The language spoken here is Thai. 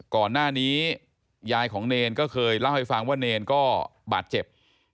ก่อนหน้านี้ยายของเนรก็เคยเล่าให้ฟังว่าเนรก็บาดเจ็บ